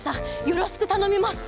よろしくたのみます！